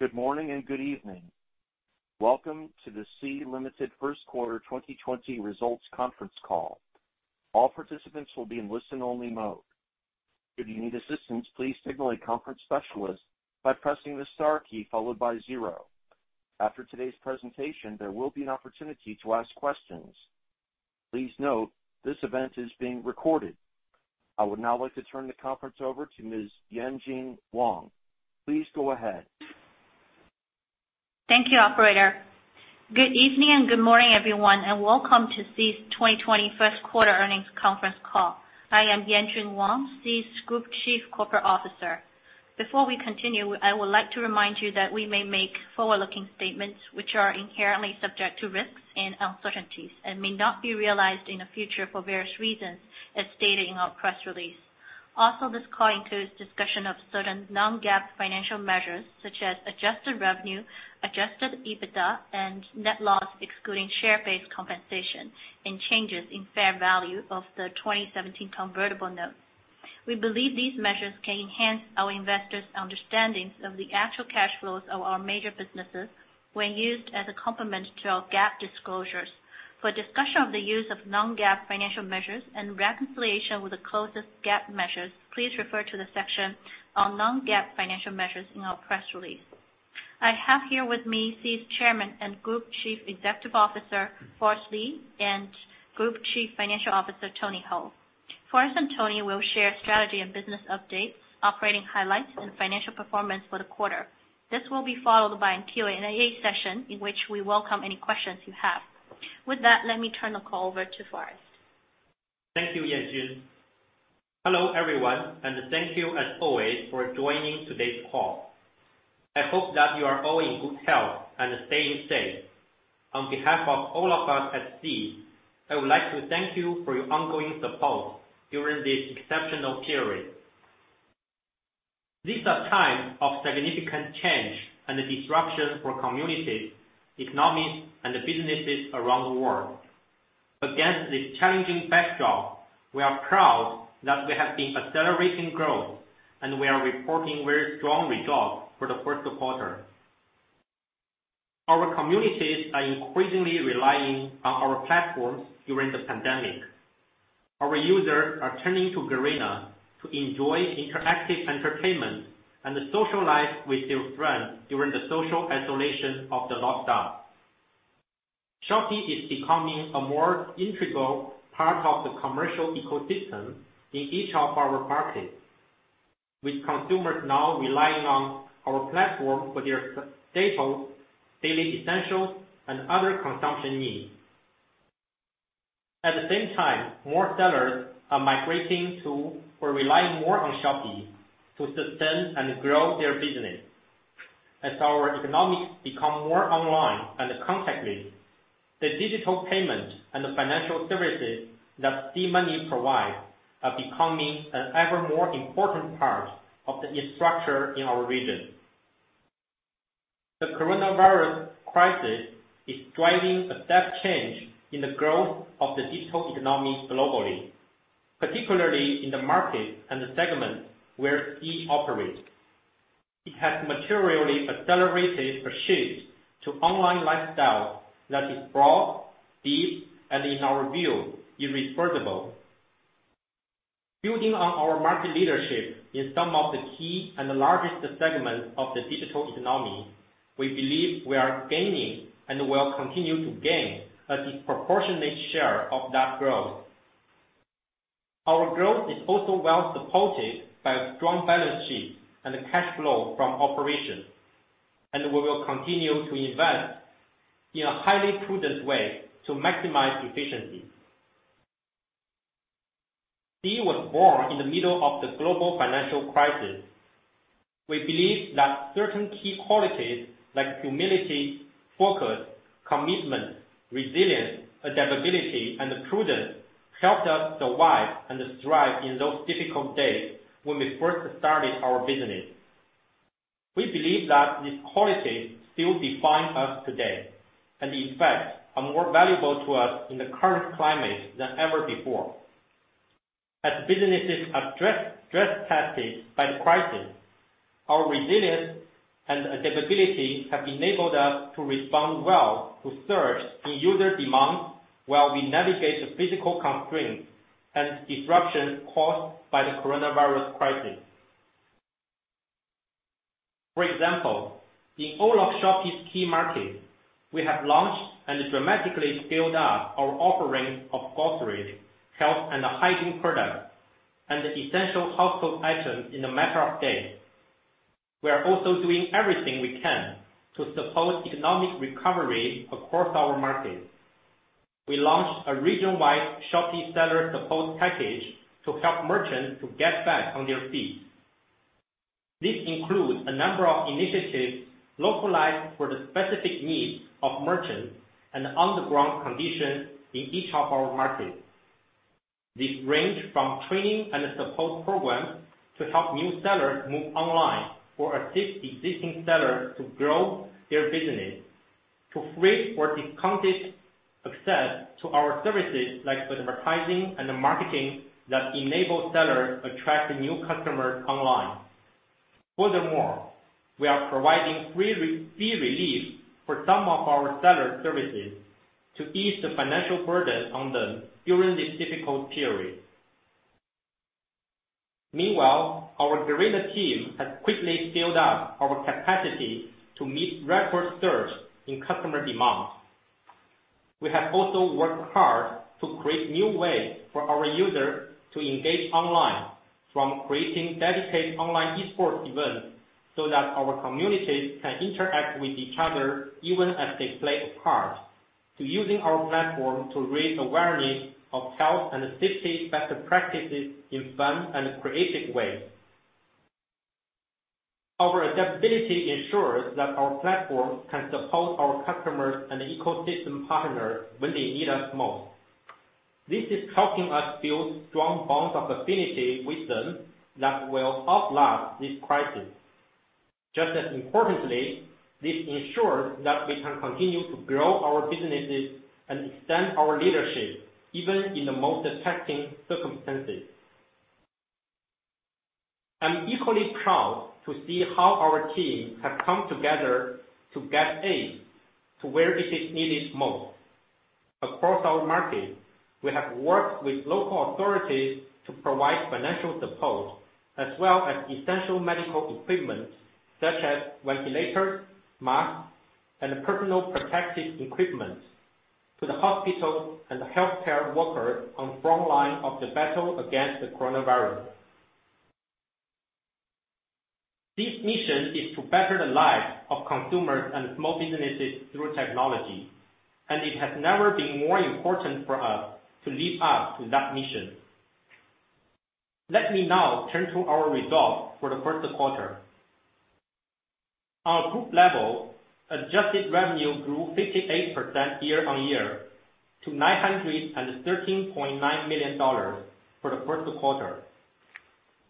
Good morning and good evening. Welcome to the Sea Limited First Quarter 2020 Results Conference Call. All participants will be in listen-only mode. If you need assistance, please signal a conference specialist by pressing the star key followed by zero. After today's presentation, there will be an opportunity to ask questions. Please note this event is being recorded. I would now like to turn the conference over to Ms. Yanjun Wang. Please go ahead. Thank you, operator. Good evening and good morning, everyone, and welcome to Sea's 2020 first quarter earnings conference call. I am Yanjun Wang, Sea's Group Chief Corporate Officer. Before we continue, I would like to remind you that we may make forward-looking statements which are inherently subject to risks and uncertainties and may not be realized in the future for various reasons as stated in our press release. This call includes discussion of certain non-GAAP financial measures such as adjusted revenue, adjusted EBITDA, and net loss, excluding share-based compensation and changes in fair value of the 2017 convertible notes. We believe these measures can enhance our investors' understanding of the actual cash flows of our major businesses when used as a complement to our GAAP disclosures. For a discussion of the use of non-GAAP financial measures and reconciliation with the closest GAAP measures, please refer to the section on non-GAAP financial measures in our press release. I have here with me Sea's Chairman and Group Chief Executive Officer, Forrest Li, and Group Chief Financial Officer, Tony Hou. Forrest and Tony will share strategy and business updates, operating highlights, and financial performance for the quarter. This will be followed by a Q&A session in which we welcome any questions you have. With that, let me turn the call over to Forrest. Thank you, Yanjun. Hello, everyone. Thank you as always for joining today's call. I hope that you are all in good health and staying safe. On behalf of all of us at Sea, I would like to thank you for your ongoing support during this exceptional period. These are times of significant change and disruption for communities, economies, and businesses around the world. Against this challenging backdrop, we are proud that we have been accelerating growth. We are reporting very strong results for the first quarter. Our communities are increasingly relying on our platforms during the pandemic. Our users are turning to Garena to enjoy interactive entertainment and socialize with their friends during the social isolation of the lockdown. Shopee is becoming a more integral part of the commercial ecosystem in each of our markets, with consumers now relying on our platform for their staples, daily essentials, and other consumption needs. At the same time, more sellers are migrating to or relying more on Shopee to sustain and grow their business. As our economies become more online and contactless, the digital payment and financial services that SeaMoney provides are becoming an ever more important part of the infrastructure in our region. The coronavirus crisis is driving a step change in the growth of the digital economy globally, particularly in the markets and the segments where Sea operates. It has materially accelerated a shift to online lifestyles that is broad, deep, and in our view, irreversible. Building on our market leadership in some of the key and the largest segments of the digital economy, we believe we are gaining and will continue to gain a disproportionate share of that growth. Our growth is also well supported by a strong balance sheet and cash flow from operations, and we will continue to invest in a highly prudent way to maximize efficiency. Sea was born in the middle of the global financial crisis. We believe that certain key qualities like humility, focus, commitment, resilience, adaptability, and prudence helped us survive and thrive in those difficult days when we first started our business. We believe that these qualities still define us today, and in fact, are more valuable to us in the current climate than ever before. As businesses are stress-tested by the crisis, our resilience and adaptability have enabled us to respond well to surge in user demand while we navigate the physical constraints and disruption caused by the coronavirus crisis. For example, in all of Shopee's key markets, we have launched and dramatically scaled up our offerings of groceries, health and hygiene products, and essential household items in a matter of days. We are also doing everything we can to support economic recovery across our markets. We launched a region-wide Shopee Seller Support Package to help merchants to get back on their feet. This includes a number of initiatives localized for the specific needs of merchants and on-the-ground conditions in each of our markets. This range from training and support programs to help new sellers move online or assist existing sellers to grow their business. To free or discounted access to our services like advertising and marketing that enable sellers attract new customers online. Furthermore, we are providing free relief for some of our seller services to ease the financial burden on them during this difficult period. Meanwhile, our growing team has quickly scaled up our capacity to meet record surge in customer demands. We have also worked hard to create new ways for our users to engage online, from creating dedicated online e-sports events so that our communities can interact with each other even as they play cards, to using our platform to raise awareness of health and safety best practices in fun and creative ways. Our adaptability ensures that our platform can support our customers and ecosystem partners when they need us most. This is helping us build strong bonds of affinity with them that will outlast this crisis. Just as importantly, this ensures that we can continue to grow our businesses and extend our leadership even in the most testing circumstances. I'm equally proud to see how our team have come together to get aid to where it is needed most. Across our market, we have worked with local authorities to provide financial support as well as essential medical equipment such as ventilators, masks, and personal protective equipment to the hospitals and the healthcare workers on the front line of the battle against the coronavirus. This mission is to better the lives of consumers and small businesses through technology, and it has never been more important for us to live up to that mission. Let me now turn to our results for the first quarter. On a group level, adjusted revenue grew 58% year-over-year to $913.9 million for the first quarter.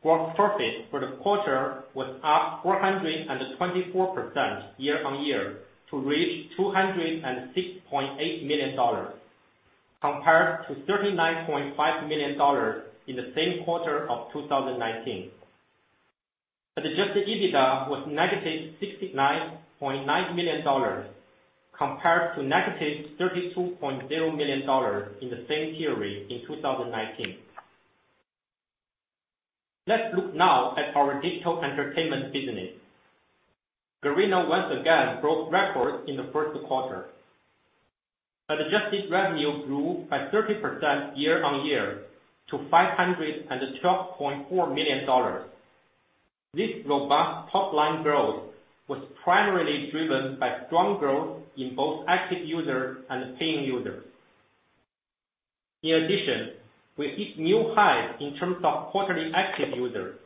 Gross profit for the quarter was up 424% year-over-year to reach $206.8 million, compared to $39.5 million in the same quarter of 2019. Adjusted EBITDA was negative $69.9 million compared to negative $32.0 million in the same period in 2019. Let's look now at our digital entertainment business. Garena once again broke records in the first quarter. Adjusted revenue grew by 30% year-over-year to $512.4 million. This robust top-line growth was primarily driven by strong growth in both active users and paying users. In addition, we hit new highs in terms of quarterly active users.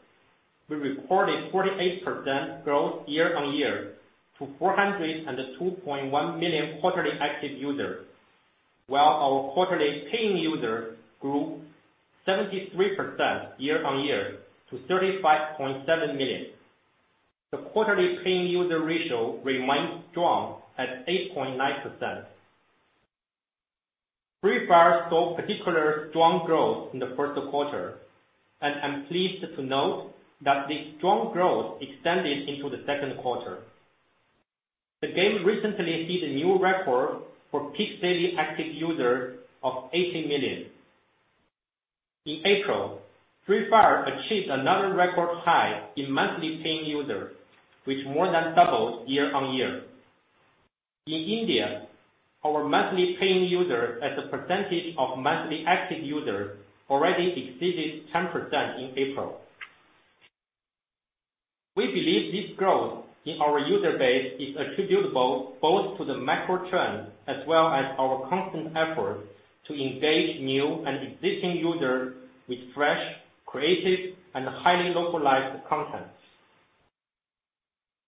We recorded 48% growth year-over-year to 402.1 million quarterly active users, while our quarterly paying users grew 73% year-over-year to 35.7 million. The quarterly paying user ratio remains strong at 8.9%. Free Fire saw particular strong growth in the first quarter, and I'm pleased to note that this strong growth extended into the second quarter. The game recently hit a new record for peak daily active users of 80 million. In April, Free Fire achieved another record high in monthly paying users, which more than doubled year-on-year. In India, our monthly paying users as a percentage of monthly active users already exceeded 10% in April. We believe this growth in our user base is attributable both to the macro trend as well as our constant efforts to engage new and existing users with fresh, creative, and highly localized content.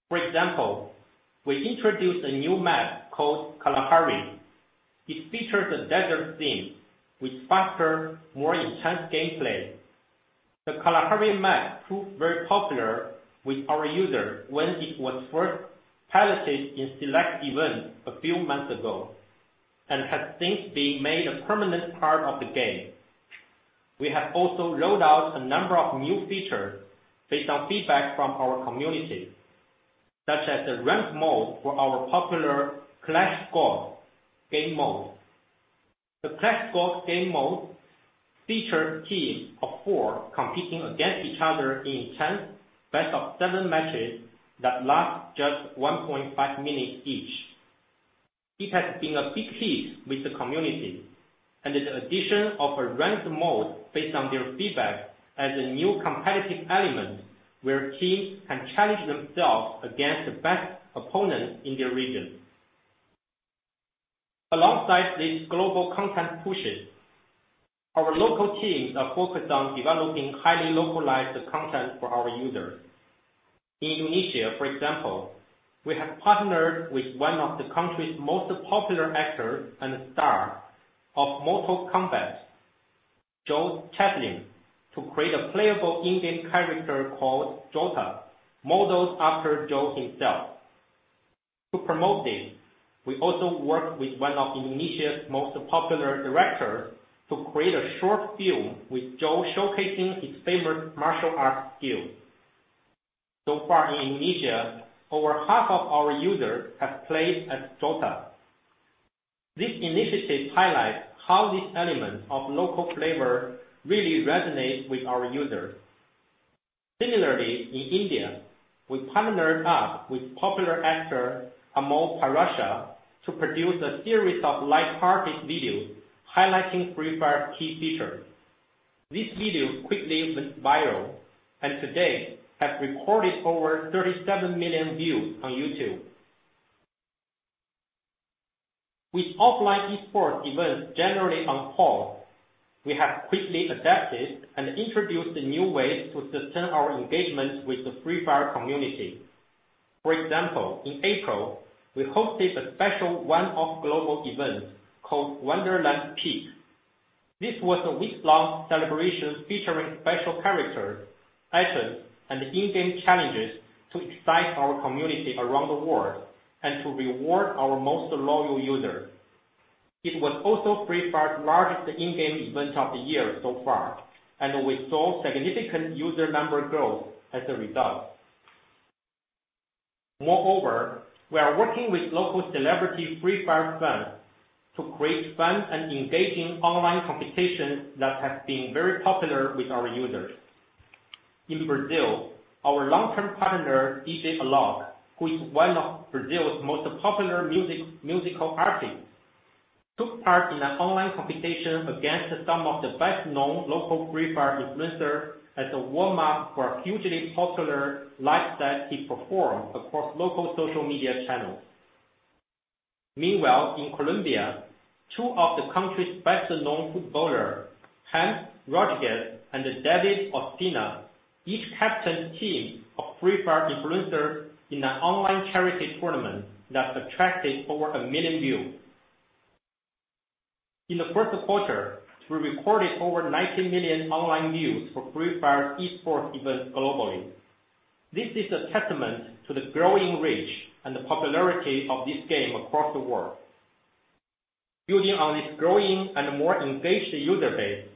For example, we introduced a new map called Kalahari. It features a desert theme with faster, more intense gameplay. The Kalahari map proved very popular with our users when it was first piloted in select events a few months ago, and has since been made a permanent part of the game. We have also rolled out a number of new features based on feedback from our community, such as the ranked mode for our popular Clash Squad game mode. The Clash Squad game mode features teams of 4 competing against each other in intense best-of-7 matches that last just 1.5 minutes each. It has been a big hit with the community, and the addition of a ranked mode based on their feedback adds a new competitive element where teams can challenge themselves against the best opponents in their region. Alongside this global content pushes, our local teams are focused on developing highly localized content for our users. In Indonesia, for example, we have partnered with one of the country's most popular actors and star of Mortal Kombat Joe Taslim to create a playable in-game character called Jota, modeled after Joe himself. To promote this, we also worked with one of Indonesia's most popular directors to create a short film with Joe showcasing his favorite martial arts skills. So far in Indonesia, over half of our users have played as Jota. This initiative highlights how this element of local flavor really resonates with our users. Similarly, in India, we partnered up with popular actor Amol Parashar to produce a series of light-hearted videos highlighting Free Fire's key features. These videos quickly went viral, and to date, have recorded over 37 million views on YouTube. With offline esports events generally on pause, we have quickly adapted and introduced new ways to sustain our engagement with the Free Fire community. For example, in April, we hosted a special one-off global event called Wonderland Peak. This was a week-long celebration featuring special characters, items, and in-game challenges to excite our community around the world and to reward our most loyal users. It was also Free Fire's largest in-game event of the year so far, and we saw significant user number growth as a result. Moreover, we are working with local celebrity Free Fire fans to create fun and engaging online competitions that have been very popular with our users. In Brazil, our long-term partner, DJ Alok, who is one of Brazil's most popular musical artists, took part in an online competition against some of the best-known local Free Fire influencers as a warm-up for a hugely popular live set he performed across local social media channels. Meanwhile, in Colombia, two of the country's best-known footballers, James Rodríguez and David Ospina, each captained a team of Free Fire influencers in an online charity tournament that attracted over 1 million views. In the first quarter, we recorded over 90 million online views for Free Fire's esports events globally. This is a testament to the growing reach and the popularity of this game across the world. Building on this growing and more engaged user base,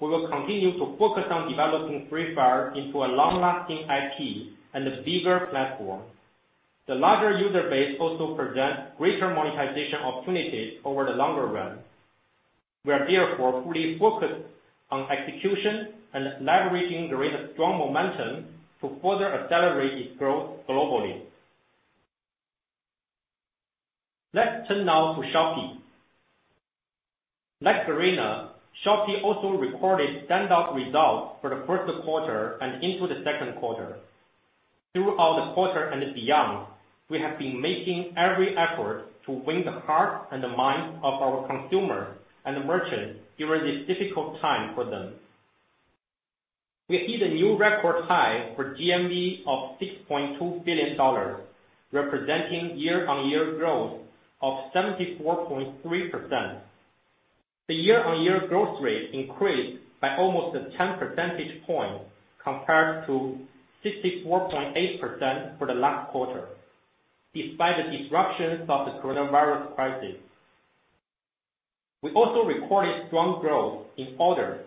we will continue to focus on developing Free Fire into a long-lasting IP and a bigger platform. The larger user base also presents greater monetization opportunities over the longer run. We are therefore fully focused on execution and leveraging the rate of strong momentum to further accelerate its growth globally. Let's turn now to Shopee. Like Garena, Shopee also recorded standout results for the first quarter and into the second quarter. Throughout the quarter and beyond, we have been making every effort to win the hearts and the minds of our consumers and merchants during this difficult time for them. We hit a new record high for GMV of $6.2 billion, representing year-on-year growth of 74.3%. The year-on-year growth rate increased by almost 10 percentage points compared to 64.8% for the last quarter, despite the disruptions of the coronavirus crisis. We also recorded strong growth in orders,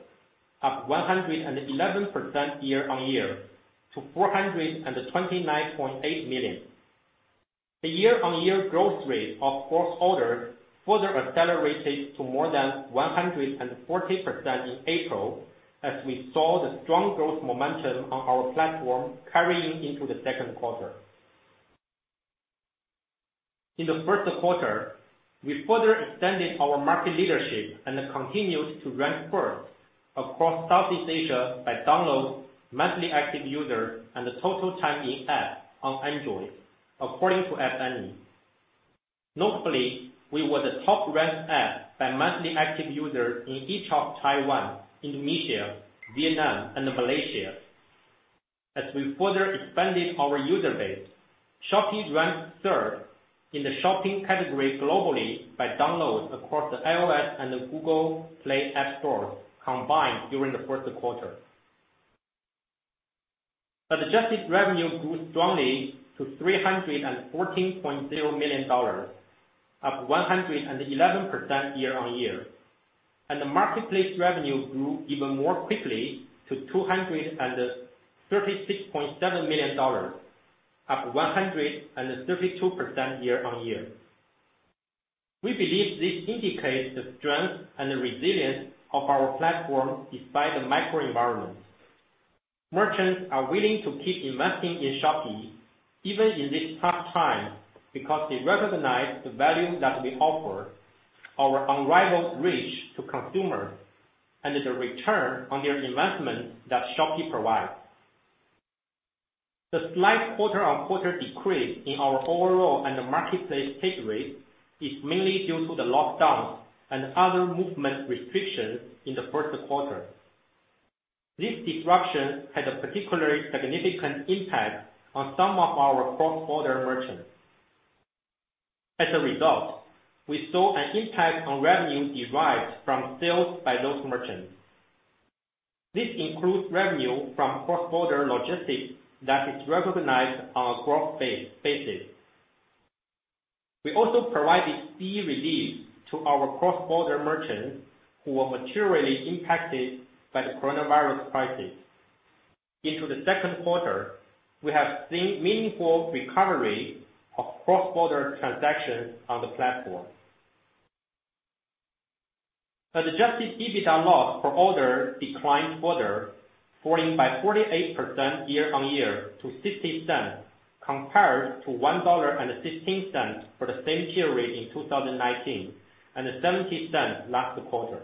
up 111% year-on-year to 429.8 million. The year-on-year growth rate of cross-border further accelerated to more than 140% in April as we saw the strong growth momentum on our platform carrying into the second quarter. In the first quarter, we further extended our market leadership and continued to rank first across Southeast Asia by downloads, monthly active users, and the total time in-app on Android, according to App Annie. Notably, we were the top-ranked app by monthly active users in each of Taiwan, Indonesia, Vietnam, and Malaysia. As we further expanded our user base, Shopee ranked third in the shopping category globally by downloads across the iOS and Google Play app stores combined during the first quarter. Adjusted revenue grew strongly to $314.0 million, up 111% year-on-year. Marketplace revenue grew even more quickly to $236.7 million, up 132% year-on-year. We believe this indicates the strength and the resilience of our platform despite the macro environment. Merchants are willing to keep investing in Shopee even in this tough time because they recognize the value that we offer, our unrivaled reach to consumers, and the return on their investment that Shopee provides. The slight quarter-on-quarter decrease in our overall and marketplace take rate is mainly due to the lockdown and other movement restrictions in the first quarter. This disruption had a particularly significant impact on some of our cross-border merchants. As a result, we saw an impact on revenue derived from sales by those merchants. This includes revenue from cross-border logistics that is recognized on a gross basis. We also provided fee relief to our cross-border merchants who were materially impacted by the coronavirus crisis. Into the second quarter, we have seen meaningful recovery of cross-border transactions on the platform. The adjusted EBITDA loss per order declined quarter, falling by 48% year-on-year to $0.60, compared to $1.16 for the same period in 2019, and $0.70 last quarter.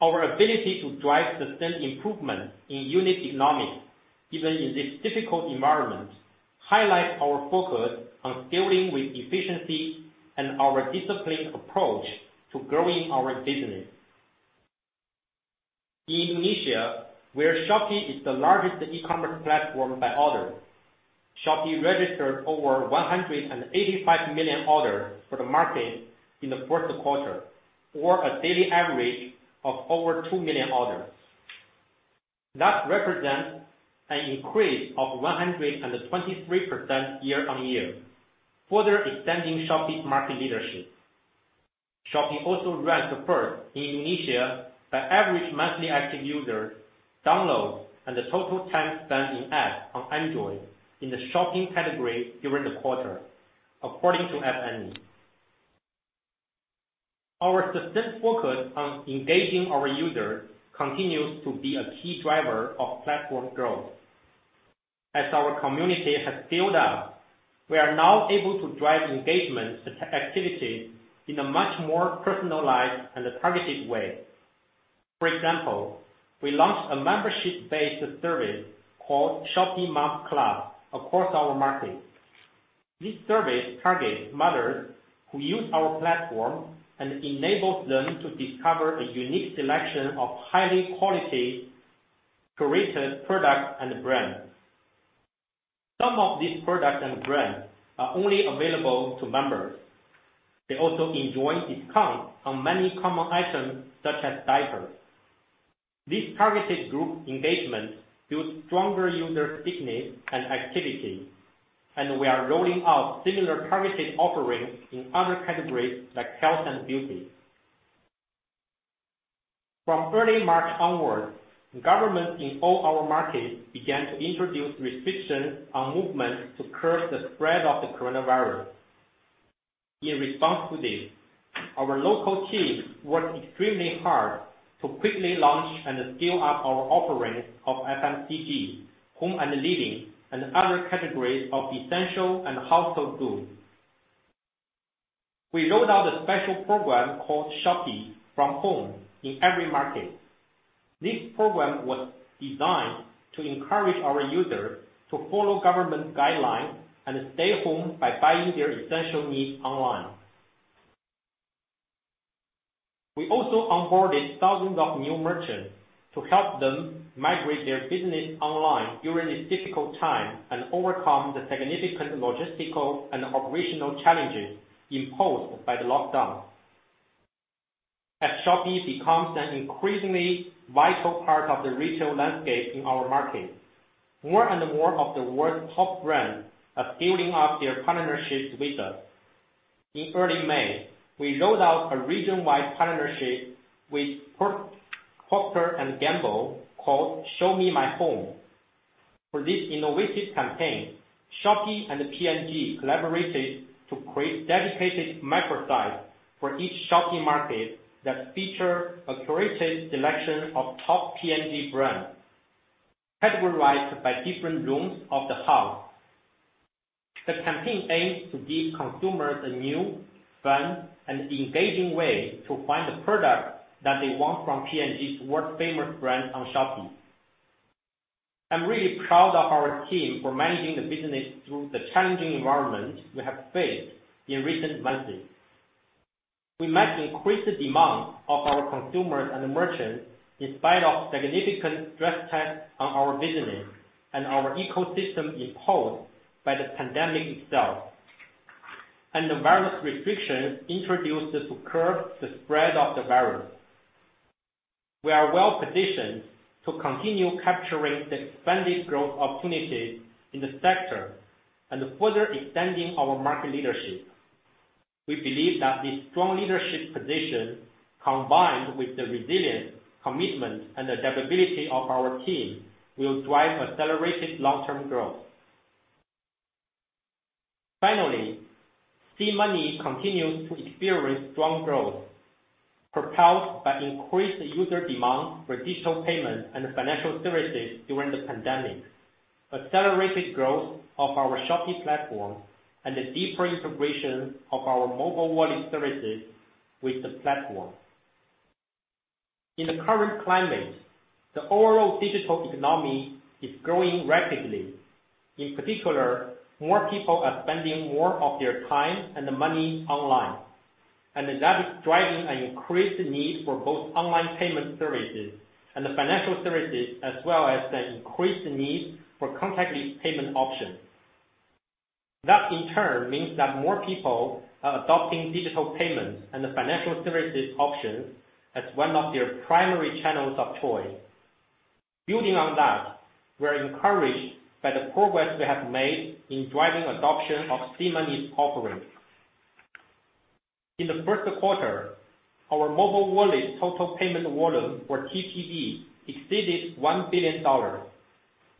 Our ability to drive sustained improvement in unit economics, even in this difficult environment, highlights our focus on scaling with efficiency and our disciplined approach to growing our business. In Indonesia, where Shopee is the largest e-commerce platform by orders, Shopee registered over 185 million orders for the market in the first quarter, or a daily average of over two million orders. That represents an increase of 123% year on year, further extending Shopee's market leadership. Shopee also ranked first in Indonesia by average monthly active users, downloads, and the total time spent in app on Android in the shopping category during the quarter, according to App Annie. Our sustained focus on engaging our users continues to be a key driver of platform growth. As our community has scaled up, we are now able to drive engagement activity in a much more personalized and targeted way. For example, we launched a membership-based service called Shopee Moms Club across our markets. This service targets mothers who use our platform and enables them to discover a unique selection of high quality curated products and brands. Some of these products and brands are only available to members. They also enjoy discounts on many common items, such as diapers. This targeted group engagement builds stronger user stickiness and activity, and we are rolling out similar targeted offerings in other categories like health and beauty. From early March onwards, governments in all our markets began to introduce restrictions on movement to curb the spread of the coronavirus. In response to this, our local teams worked extremely hard to quickly launch and scale up our offerings of FMCG, home and living, and other categories of essential and household goods. We rolled out a special program called Shopee from Home in every market. This program was designed to encourage our users to follow government guidelines and stay home by buying their essential needs online. We also onboarded thousands of new merchants to help them migrate their business online during this difficult time and overcome the significant logistical and operational challenges imposed by the lockdown. As Shopee becomes an increasingly vital part of the retail landscape in our markets, more and more of the world's top brands are building up their partnerships with us. In early May, we rolled out a region-wide partnership with Procter & Gamble called Show Me My Home. For this innovative campaign, Shopee and P&G collaborated to create dedicated micro sites for each Shopee market that feature a curated selection of top P&G brands, categorized by different rooms of the house. The campaign aims to give consumers a new, fun, and engaging way to find the product that they want from P&G's world-famous brands on Shopee. I'm really proud of our team for managing the business through the challenging environment we have faced in recent months. We met increased demand of our consumers and merchants in spite of significant stress test on our business and our ecosystem imposed by the pandemic itself, and the various restrictions introduced to curb the spread of the virus. We are well-positioned to continue capturing the expanded growth opportunities in the sector and further extending our market leadership. We believe that this strong leadership position, combined with the resilience, commitment, and adaptability of our team, will drive accelerated long-term growth. SeaMoney continues to experience strong growth, propelled by increased user demand for digital payment and financial services during the pandemic, accelerated growth of our Shopee platform, and the deeper integration of our mobile wallet services with the platform. In the current climate, the overall digital economy is growing rapidly. In particular, more people are spending more of their time and money online. That is driving an increased need for both online payment services and financial services, as well as an increased need for contactless payment options. That in turn means that more people are adopting digital payments and financial services options as one of their primary channels of choice. Building on that, we are encouraged by the progress we have made in driving adoption of SeaMoney's offerings. In the first quarter, our mobile wallet total payment volume, or TPV, exceeded $1 billion.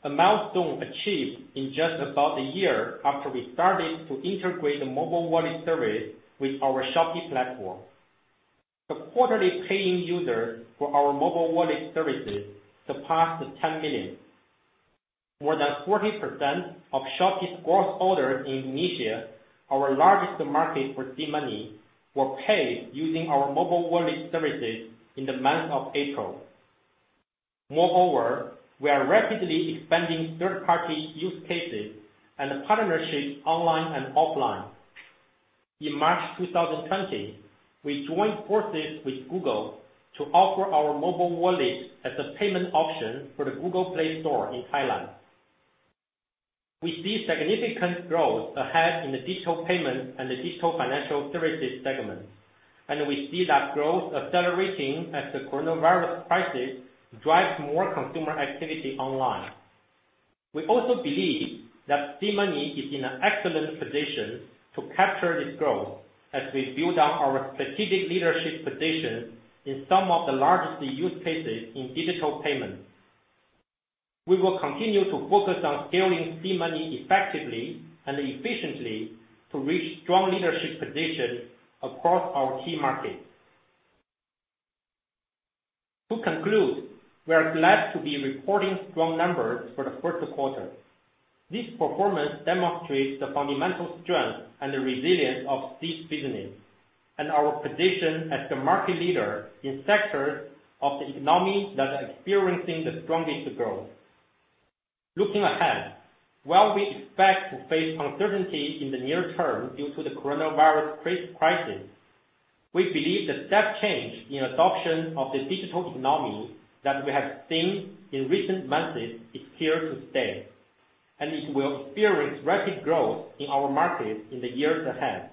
A milestone achieved in just about a year after we started to integrate the mobile wallet service with our Shopee platform. The quarterly paying user for our mobile wallet services surpassed 10 million. More than 40% of Shopee's gross orders in Indonesia, our largest market for SeaMoney, were paid using our mobile wallet services in the month of April. Moreover, we are rapidly expanding third-party use cases and partnerships online and offline. In March 2020, we joined forces with Google to offer our mobile wallet as a payment option for the Google Play Store in Thailand. We see significant growth ahead in the digital payment and digital financial services segments, and we see that growth accelerating as the coronavirus crisis drives more consumer activity online. We also believe that SeaMoney is in an excellent position to capture this growth as we build out our strategic leadership position in some of the largest use cases in digital payments. We will continue to focus on scaling SeaMoney effectively and efficiently to reach strong leadership positions across our key markets. To conclude, we are glad to be reporting strong numbers for the first quarter. This performance demonstrates the fundamental strength and the resilience of Sea's business and our position as the market leader in sectors of the economy that are experiencing the strongest growth. Looking ahead, while we expect to face uncertainty in the near term due to the coronavirus crisis, we believe the step change in adoption of the digital economy that we have seen in recent months is here to stay. It will experience rapid growth in our markets in the years ahead.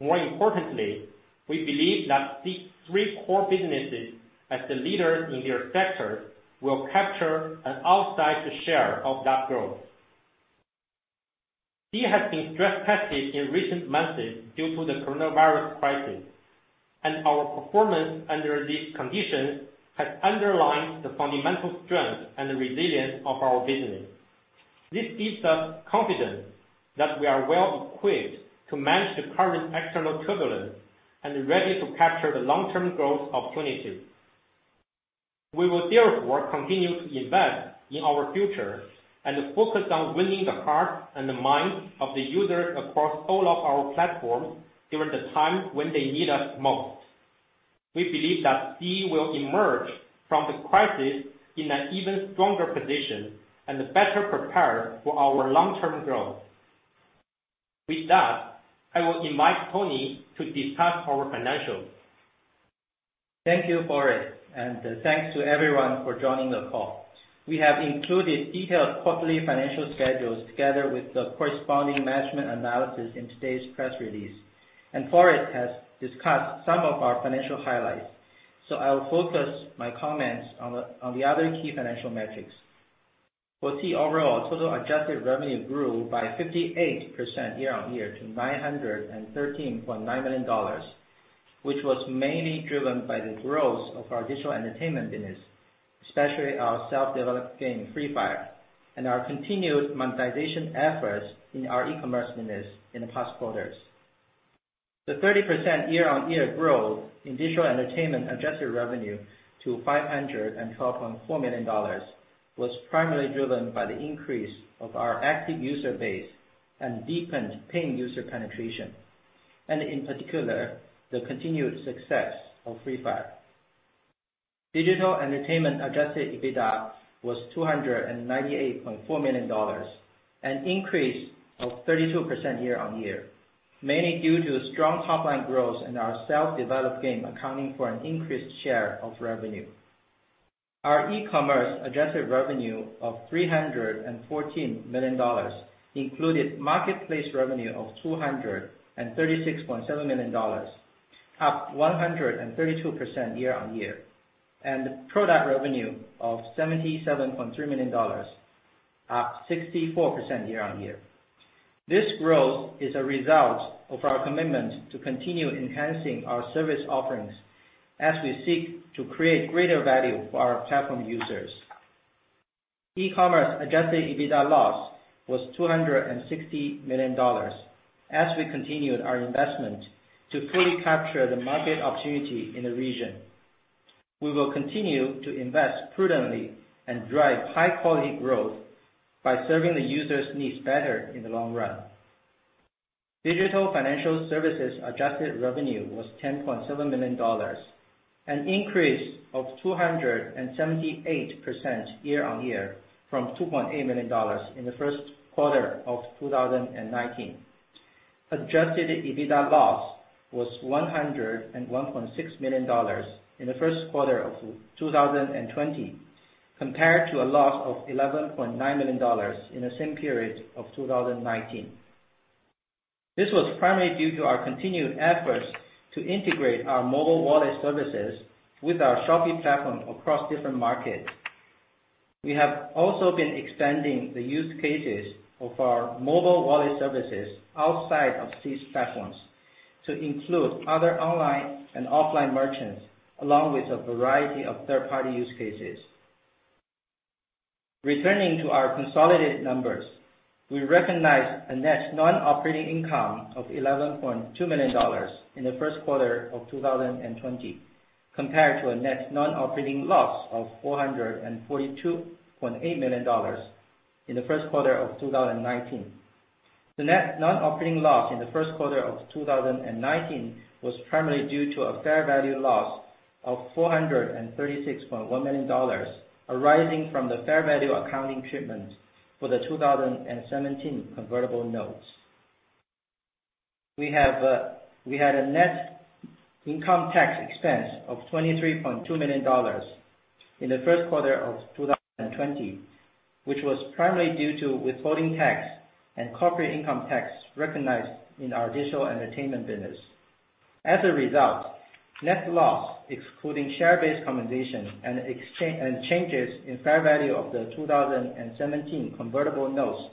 More importantly, we believe that these three core businesses as the leaders in their sectors, will capture an outsized share of that growth. Sea has been stress-tested in recent months due to the coronavirus crisis, and our performance under these conditions has underlined the fundamental strength and resilience of our business. This gives us confidence that we are well equipped to manage the current external turbulence and ready to capture the long-term growth opportunities. We will therefore continue to invest in our future and focus on winning the hearts and the minds of the users across all of our platforms during the time when they need us most. We believe that Sea will emerge from the crisis in an even stronger position and better prepared for our long-term growth. With that, I will invite Tony to discuss our financials. Thank you, Forrest, and thanks to everyone for joining the call. We have included detailed quarterly financial schedules together with the corresponding management analysis in today's press release. Forrest has discussed some of our financial highlights. I will focus my comments on the other key financial metrics. For Sea overall, total adjusted revenue grew by 58% year-on-year to $913.9 million, which was mainly driven by the growth of our digital entertainment business, especially our self-developed game, Free Fire, and our continued monetization efforts in our e-commerce business in the past quarters. The 30% year-on-year growth in digital entertainment adjusted revenue to $512.4 million was primarily driven by the increase of our active user base and deepened paying user penetration. In particular, the continued success of Free Fire. Digital entertainment adjusted EBITDA was $298.4 million, an increase of 32% year-on-year, mainly due to strong top-line growth in our self-developed game accounting for an increased share of revenue. Our e-commerce adjusted revenue of $314 million included marketplace revenue of $236.7 million, up 132% year-on-year, and product revenue of $77.3 million, up 64% year-on-year. This growth is a result of our commitment to continue enhancing our service offerings as we seek to create greater value for our platform users. E-commerce adjusted EBITDA loss was $260 million as we continued our investment to fully capture the market opportunity in the region. We will continue to invest prudently and drive high-quality growth by serving the users' needs better in the long run. Digital financial services adjusted revenue was $10.7 million, an increase of 278% year-on-year from $2.8 million in the first quarter of 2019. Adjusted EBITDA loss was $101.6 million in the first quarter of 2020, compared to a loss of $11.9 million in the same period of 2019. This was primarily due to our continued efforts to integrate our mobile wallet services with our shopping platform across different markets. We have also been extending the use cases of our mobile wallet services outside of these platforms to include other online and offline merchants, along with a variety of third-party use cases. Returning to our consolidated numbers, we recognize a net non-operating income of $11.2 million in the first quarter of 2020, compared to a net non-operating loss of $442.8 million in the first quarter of 2019. The net non-operating loss in the first quarter of 2019 was primarily due to a fair value loss of $436.1 million arising from the fair value accounting treatment for the 2017 convertible notes. We had a net income tax expense of $23.2 million in the first quarter of 2020, which was primarily due to withholding tax and corporate income tax recognized in our digital entertainment business. As a result, net loss, excluding share-based compensation and changes in fair value of the 2017 convertible notes,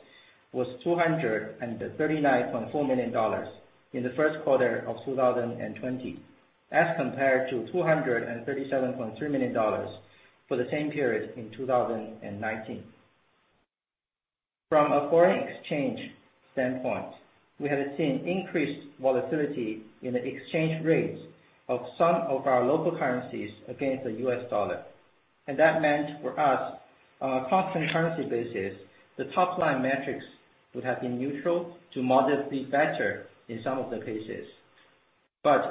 was $239.4 million in the first quarter of 2020, as compared to $237.3 million for the same period in 2019. From a foreign exchange standpoint, we have seen increased volatility in the exchange rates of some of our local currencies against the US dollar. That meant for us, on a constant currency basis, the top-line metrics would have been neutral to modestly better in some of the cases.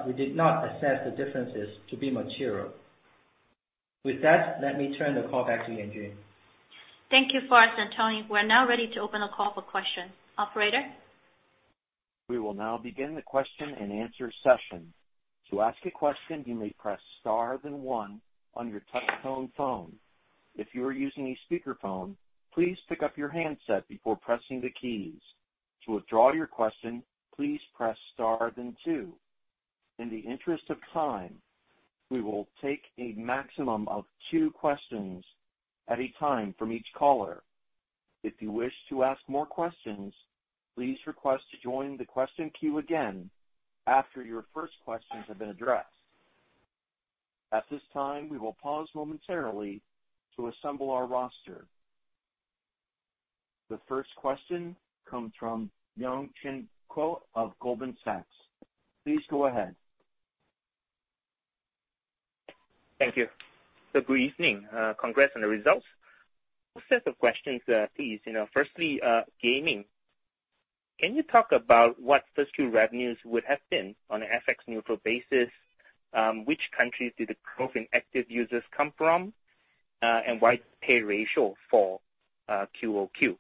We did not assess the differences to be material. With that, let me turn the call back to Yanjun. Thank you, Forrest and Tony. We're now ready to open a call for questions. Operator? We will now begin the question and answer session. To ask a question, you may press star then one on your touch-tone phone. If you are using a speakerphone, please pick up your handset before pressing the keys. To withdraw your question, please press star then two. In the interest of time, we will take a maximum of two questions at a time from each caller. If you wish to ask more questions, please request to join the question queue again after your first questions have been addressed. At this time, we will pause momentarily to assemble our roster. The first question comes from Miang Chuen Koh of Goldman Sachs. Please go ahead. Thank you. Good evening. Congrats on the results. Two sets of questions, please. Firstly, gaming. Can you talk about what [first quarter] revenues would have been on an FX neutral basis? Which countries did the growth in active users come from? Why pay ratio for QOQ?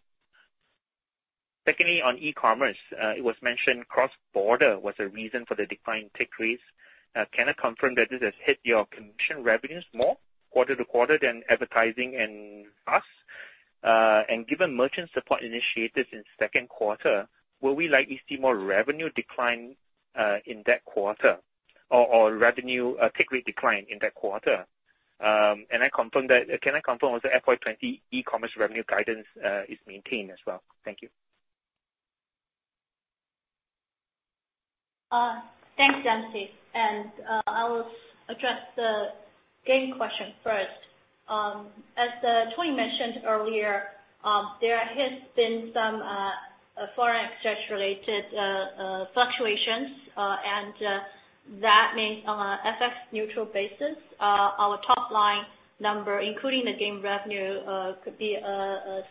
Secondly, on e-commerce, it was mentioned cross-border was a reason for the decline in take rates. Can I confirm that this has hit your commission revenues more quarter-to-quarter than advertising and VAS? Given merchant support initiatives in the second quarter, will we likely see more revenue decline in that quarter or revenue take rate decline in that quarter? Can I confirm also FY 2020 e-commerce revenue guidance is maintained as well? Thank you. Thanks, [Miang Chuen]. I will address the game question first. As Tony mentioned earlier, there has been some foreign exchange related fluctuations, and that means on a FX neutral basis, our top-line number, including the game revenue, could be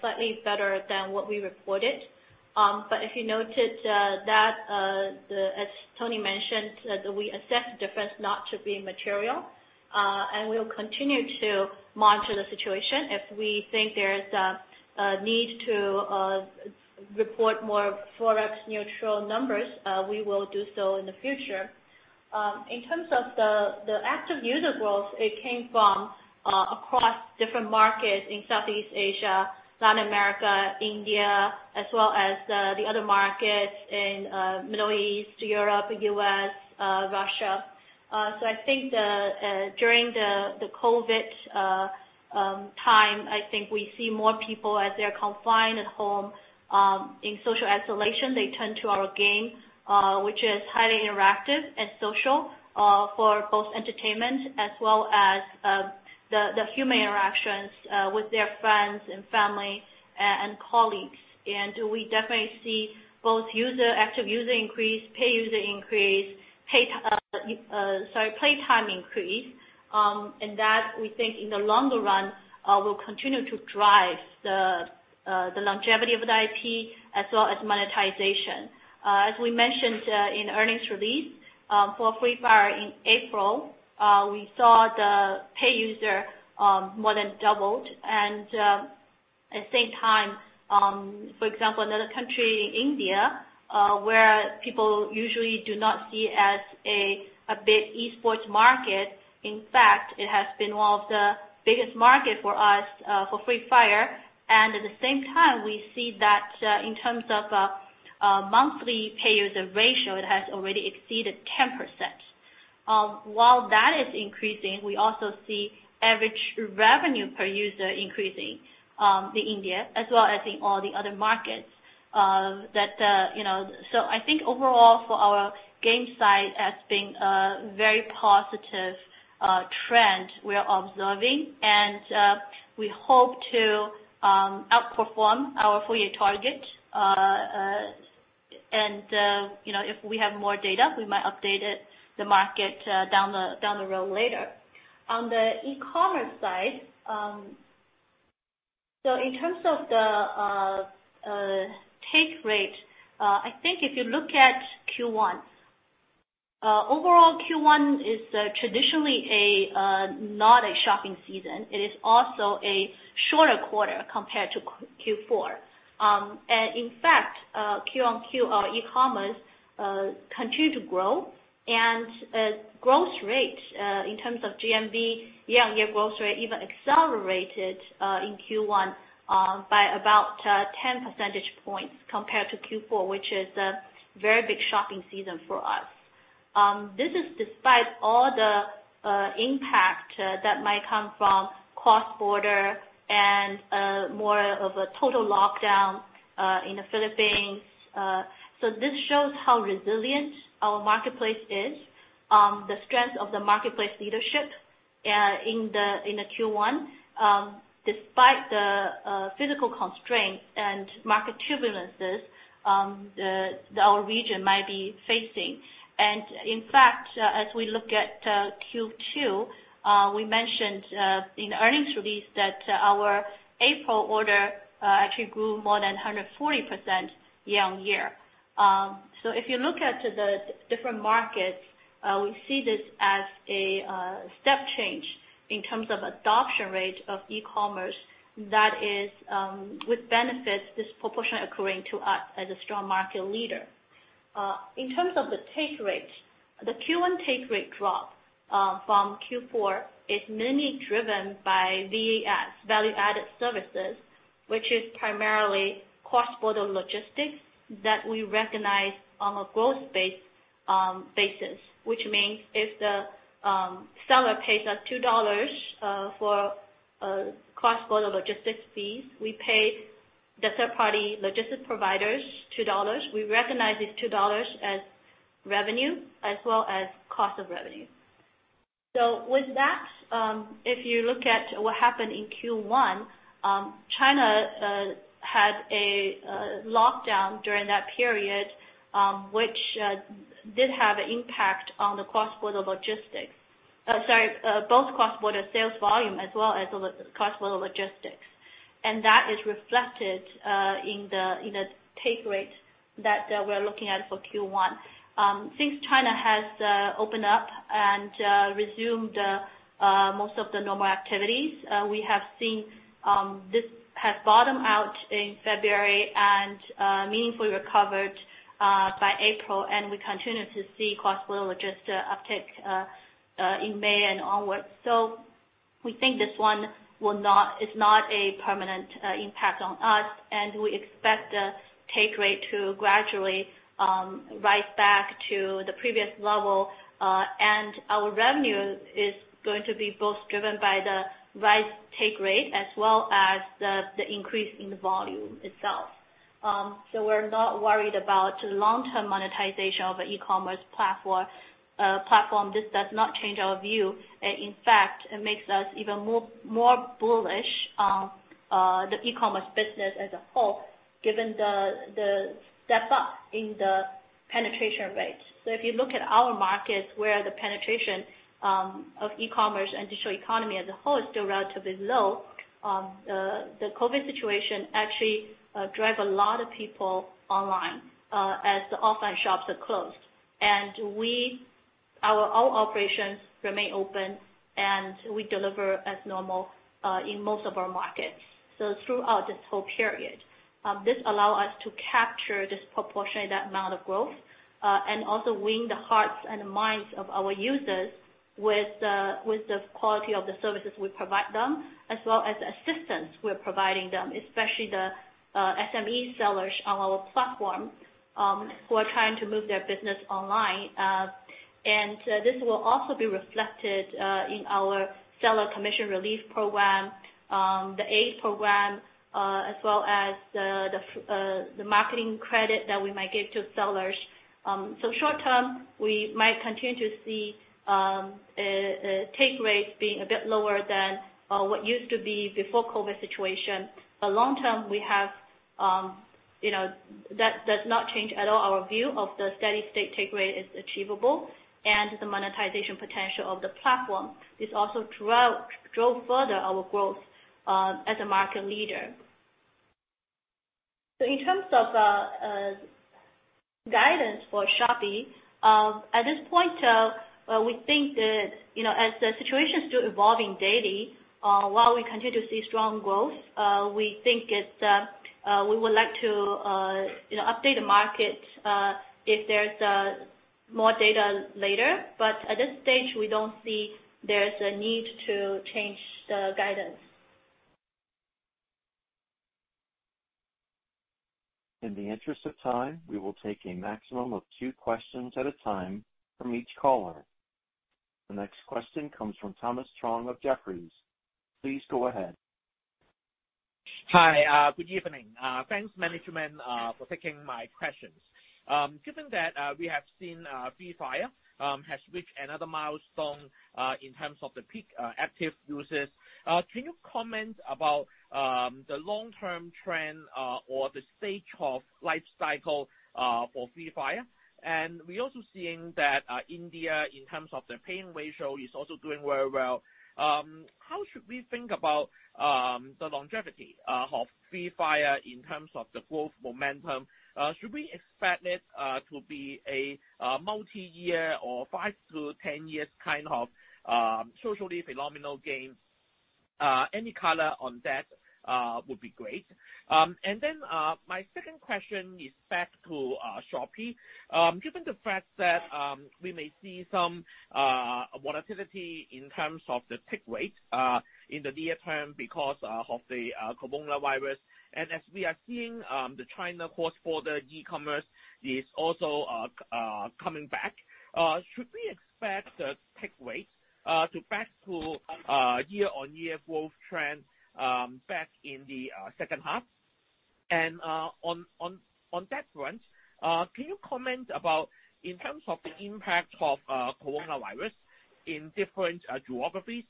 slightly better than what we reported. If you noted that, as Tony mentioned, we assess the difference not to be material. We will continue to monitor the situation. If we think there is a need to report more Forex neutral numbers, we will do so in the future. In terms of the active user growth, it came from across different markets in Southeast Asia, Latin America, India, as well as the other markets in Middle East, Europe, U.S., Russia. I think during the COVID time, we see more people as they are confined at home in social isolation. They turn to our game, which is highly interactive and social for both entertainment as well as the human interactions with their friends and family and colleagues. We definitely see both active user increase, pay user increase, play time increase, and that we think in the longer run will continue to drive the longevity of the IP as well as monetization. As we mentioned in earnings release, for Free Fire in April, we saw the pay user more than doubled. At the same time, for example, another country, India, where people usually do not see as a big e-sports market. In fact, it has been one of the biggest market for us for Free Fire. At the same time, we see that in terms of monthly pay user ratio, it has already exceeded 10%. While that is increasing, we also see average revenue per user increasing, in India as well as in all the other markets. I think overall for our game side, as being a very positive trend we are observing, and we hope to outperform our full year target. If we have more data, we might update the market down the road later. On the e-commerce side, so in terms of the take rate, I think if you look at Q1. Overall, Q1 is traditionally not a shopping season. It is also a shorter quarter compared to Q4. In fact, Q on Q, our e-commerce continue to grow and growth rate in terms of GMV, year-on-year growth rate even accelerated in Q1 by about 10 percentage points compared to Q4, which is a very big shopping season for us. This is despite all the impact that might come from cross-border and more of a total lockdown in the Philippines. This shows how resilient our marketplace is, the strength of the marketplace leadership in the Q1, despite the physical constraints and market turbulences our region might be facing. In fact, as we look at Q2, we mentioned in the earnings release that our April order actually grew more than 140% year-on-year. If you look at the different markets, we see this as a step change in terms of adoption rate of e-commerce that is with benefits disproportionately accruing to us as a strong market leader. In terms of the take rate, the Q1 take rate drop from Q4 is mainly driven by VAS, value-added services, which is primarily cross-border logistics that we recognize on a growth basis, which means if the seller pays us $2 for cross-border logistics fees, we pay the third-party logistics providers $2. We recognize this $2 as revenue as well as cost of revenue. With that, if you look at what happened in Q1, China had a lockdown during that period, which did have impact on both cross-border sales volume as well as cross-border logistics. That is reflected in the take rate that we are looking at for Q1. Since China has opened up and resumed most of the normal activities, we have seen this has bottomed out in February and meaningfully recovered by April, and we continue to see cross-border logistics uptick in May and onwards. We think this one is not a permanent impact on us, and we expect the take rate to gradually rise back to the previous level. Our revenue is going to be both driven by the rise take rate as well as the increase in volume itself. We're not worried about the long-term monetization of the e-commerce platform. This does not change our view. In fact, it makes us even more bullish on the e-commerce business as a whole, given the step up in the penetration rate. If you look at our markets, where the penetration of e-commerce and digital economy as a whole is still relatively low, the COVID situation actually drive a lot of people online as the offline shops are closed. Our operations remain open, and we deliver as normal in most of our markets. Throughout this whole period, this allow us to capture disproportionate amount of growth, and also win the hearts and minds of our users with the quality of the services we provide them as well as assistance we're providing them, especially the SME sellers on our platform who are trying to move their business online. This will also be reflected in our seller commission relief program, the AID program, as well as the marketing credit that we might give to sellers. Short term, we might continue to see take rates being a bit lower than what used to be before COVID situation, but long term that does not change at all our view of the steady state take rate is achievable, and the monetization potential of the platform is also to drive further our growth as a market leader. In terms of guidance for Shopee, at this point, we think that as the situation is still evolving daily, while we continue to see strong growth, we think we would like to update the market if there's more data later. At this stage, we don't see there's a need to change the guidance. In the interest of time, we will take a maximum of two questions at a time from each caller. The next question comes from Thomas Chong of Jefferies. Please go ahead. Hi. Good evening. Thanks, management, for taking my questions. Given that we have seen Free Fire has reached another milestone in terms of the peak active users, can you comment about the long-term trend or the stage of life cycle for Free Fire? We're also seeing that India, in terms of their paying ratio, is also doing very well. How should we think about the longevity of Free Fire in terms of the growth momentum? Should we expect it to be a multi-year or five to 10 years kind of socially phenomenal game? Any color on that would be great. My second question is back to Shopee. Given the fact that we may see some volatility in terms of the take rate in the near term because of the COVID, and as we are seeing the China cross-border e-commerce is also coming back, should we expect the take rate to back to year-on-year growth trend back in the second half? On that front, can you comment about, in terms of the impact of COVID in different geographies,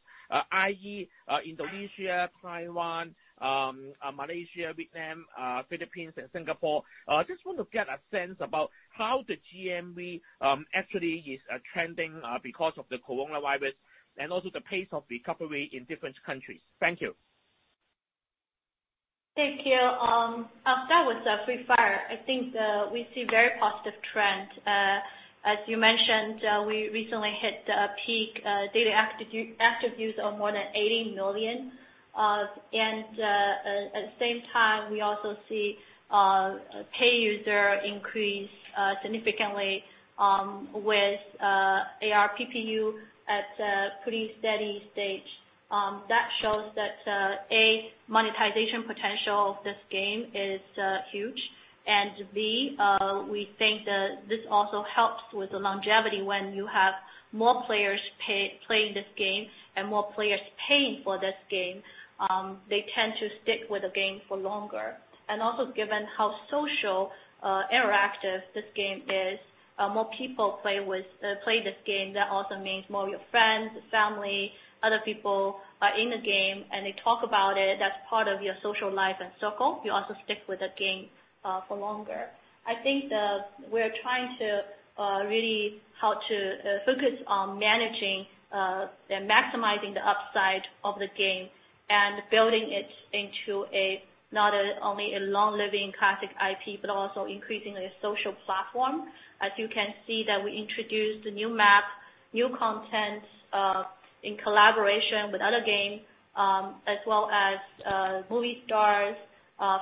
i.e., Indonesia, Taiwan, Malaysia, Vietnam, Philippines, and Singapore. I just want to get a sense about how the GMV actually is trending because of the COVID and also the pace of recovery in different countries. Thank you. Thank you. To start with Free Fire, I think we see very positive trends. As you mentioned, we recently hit a peak daily active users of more than 80 million. At the same time, we also see pay user increase significantly with ARPPU at a pretty steady stage. That shows that, A, monetization potential of this game is huge, and B, we think that this also helps with the longevity when you have more players playing this game and more players paying for this game. They tend to stick with the game for longer. Also given how social interactive this game is, more people play this game. That also means more of your friends, family, other people are in the game, and they talk about it as part of your social life and circle. You also stick with the game for longer. I think that we're trying to really focus on managing and maximizing the upside of the game and building it into not only a long-living classic IP, but also increasingly a social platform. As you can see that we introduced a new map, new content in collaboration with other games as well as movie stars,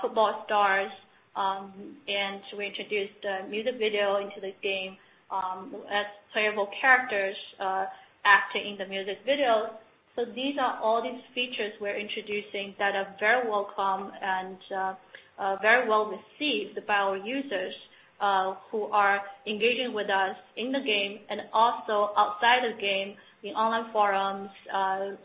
football stars, and we introduced a music video into this game as playable characters acting in the music videos. These are all these features we're introducing that are very welcome and very well received by our users who are engaging with us in the game and also outside of game, in online forums,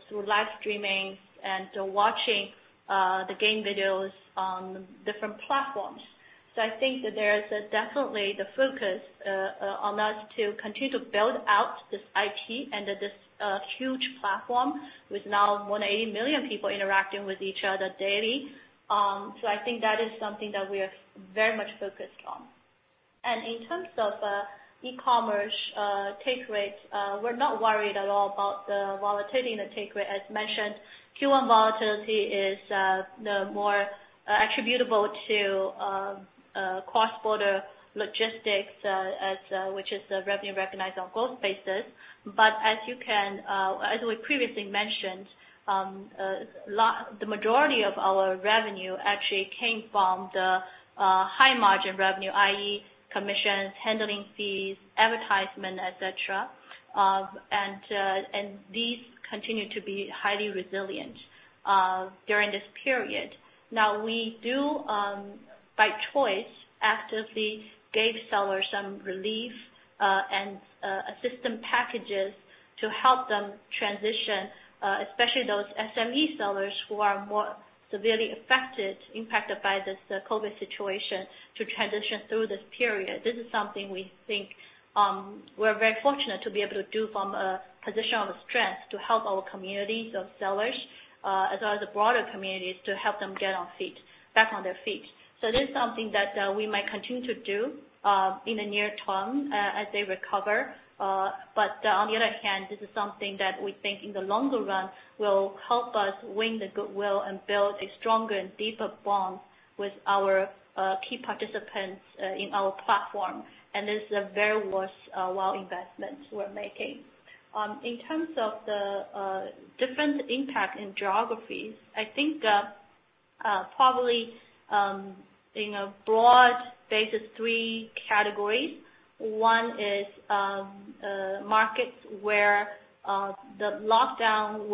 through live streaming, and watching the game videos on different platforms. I think that there is definitely the focus on us to continue to build out this IP and this huge platform with now 180 million people interacting with each other daily. I think that is something that we are very much focused on. In terms of e-commerce take rate, we're not worried at all about the volatility in the take rate. As mentioned, Q1 volatility is more attributable to cross-border logistics, which is the revenue recognized on gross basis. As we previously mentioned, the majority of our revenue actually came from the high margin revenue, i.e., commissions, handling fees, advertisement, et cetera. These continue to be highly resilient during this period. We do, by choice, actively gave sellers some relief and system packages to help them transition, especially those SME sellers who are more severely affected, impacted by this COVID situation to transition through this period. This is something we think we're very fortunate to be able to do from a position of strength to help our communities of sellers as well as the broader communities to help them get back on their feet. This is something that we might continue to do in the near term as they recover. On the other hand, this is something that we think in the longer run will help us win the goodwill and build a stronger and deeper bond with our key participants in our platform. This is a very worthwhile investment we're making. In terms of the different impact in geographies, I think probably in a broad basis, three categories. One is markets where the lockdown,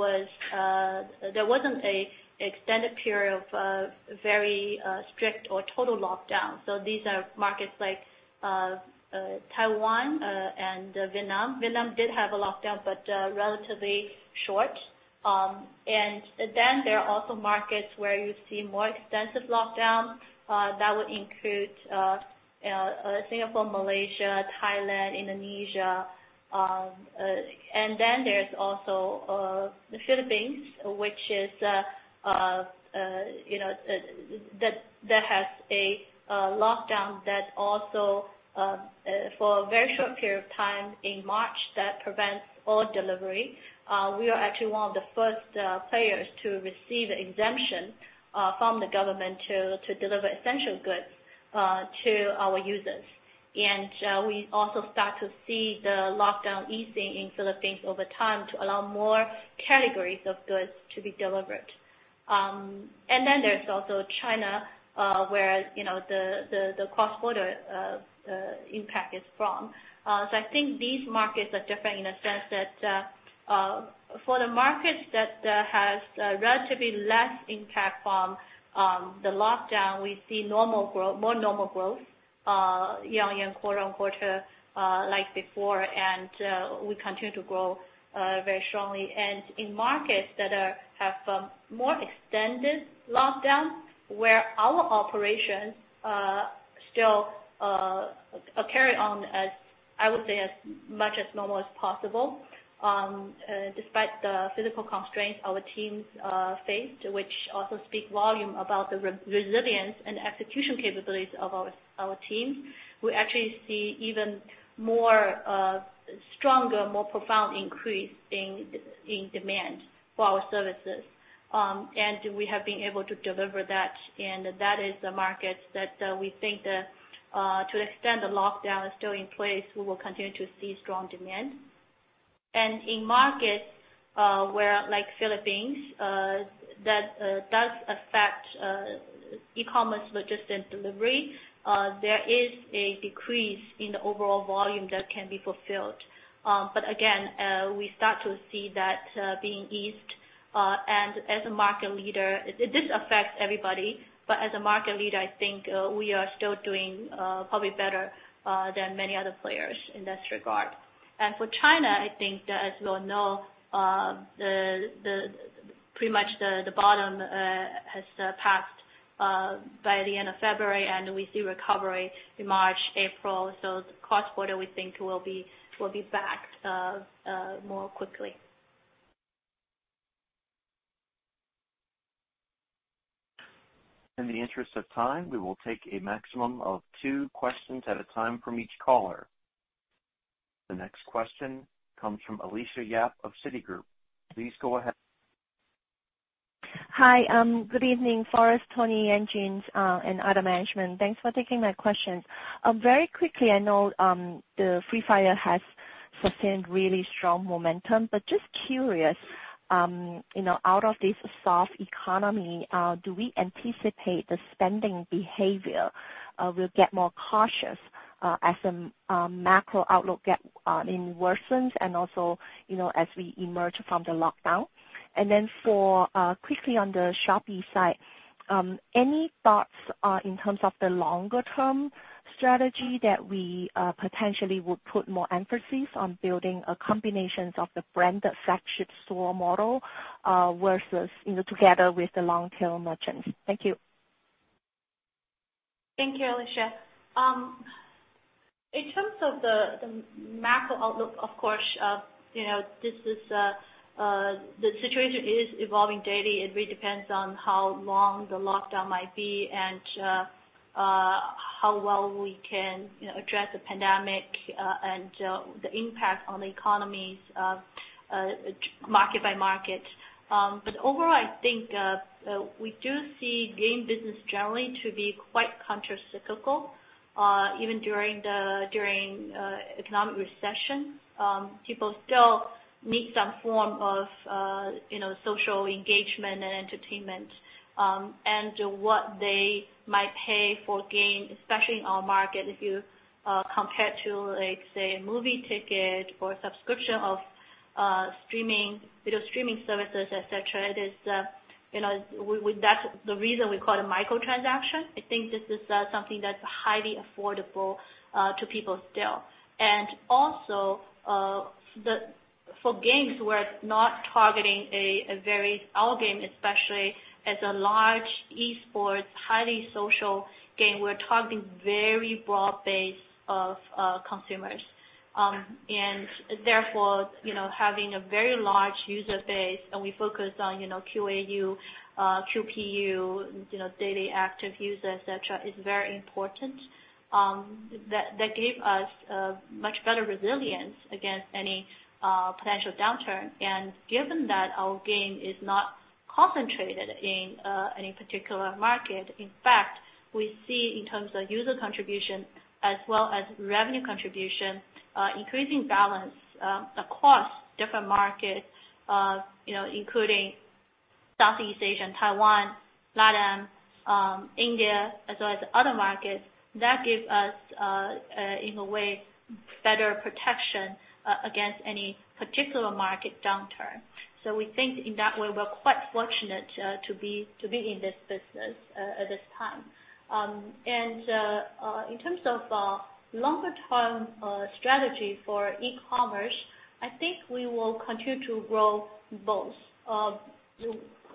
there wasn't a extended period of very strict or total lockdown. These are markets like Taiwan and Vietnam. Vietnam did have a lockdown, but relatively short. There are also markets where you see more extensive lockdown, that would include Singapore, Malaysia, Thailand, Indonesia. There's also the Philippines, that has a lockdown that also, for a very short period of time in March, that prevents all delivery. We are actually one of the first players to receive exemption from the government to deliver essential goods to our users. We also start to see the lockdown easing in Philippines over time to allow more categories of goods to be delivered. There's also China, where the cross-border impact is from. I think these markets are different in a sense that for the markets that has relatively less impact from the lockdown, we see more normal growth year-on-year, quarter-on-quarter, like before, and we continue to grow very strongly. In markets that have more extended lockdown, where our operations still carry on as, I would say, as much as normal as possible, despite the physical constraints our teams faced, which also speak volume about the resilience and execution capabilities of our teams. We actually see even more stronger, more profound increase in demand for our services. We have been able to deliver that, and that is the markets that we think to the extent the lockdown is still in place, we will continue to see strong demand. In markets where, like Philippines, that does affect e-commerce logistics delivery, there is a decrease in the overall volume that can be fulfilled. Again, we start to see that being eased, and as a market leader, this affects everybody, but as a market leader, I think we are still doing probably better than many other players in this regard. For China, I think that as you all know, pretty much the bottom has passed by the end of February, and we see recovery in March, April. Cross-border, we think, will be back more quickly. In the interest of time, we will take a maximum of two questions at a time from each caller. The next question comes from Alicia Yap of Citigroup. Please go ahead. Hi. Good evening, Forrest, Tony, and James, and other management. Thanks for taking my questions. Very quickly, I know the Free Fire has sustained really strong momentum, but just curious, out of this soft economy, do we anticipate the spending behavior will get more cautious as the macro outlook worsens and also, as we emerge from the lockdown? Then quickly on the Shopee side, any thoughts in terms of the longer-term strategy that we potentially would put more emphasis on building a combinations of the branded flagship store model versus together with the long-tail merchants? Thank you. Thank you, Alicia. In terms of the macro outlook, of course, the situation is evolving daily. It really depends on how long the lockdown might be and how well we can address the pandemic, and the impact on the economies market by market. Overall, I think we do see game business generally to be quite countercyclical. Even during economic recession, people still need some form of social engagement and entertainment. What they might pay for game, especially in our market, if you compare to, let's say, a movie ticket or subscription of video streaming services, et cetera, that's the reason we call it micro transaction. I think this is something that's highly affordable to people still. Also, for games, Our game especially, is a large esports, highly social game. We're targeting very broad base of consumers. Therefore, having a very large user base, and we focus on QAU, QPU, daily active users, et cetera, is very important. That gave us a much better resilience against any potential downturn. Given that our game is not concentrated in any particular market, in fact, we see in terms of user contribution as well as revenue contribution, increasing balance across different markets, including Southeast Asia, Taiwan, LATAM, India, as well as other markets. That gives us, in a way, better protection against any particular market downturn. We think in that way, we're quite fortunate to be in this business at this time. In terms of longer-term strategy for e-commerce, I think we will continue to grow both.